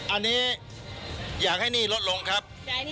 อันนี้อยากให้หนี้ลดลงครับ